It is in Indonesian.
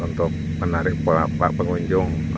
untuk menarik pengunjung